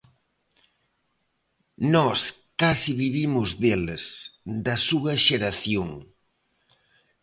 Nós case vivimos deles, da súa xeración.